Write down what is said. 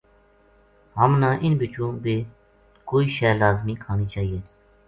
ہمنا اِنھ بچوں بے کوئی شے لازمی کھانی چاہیئے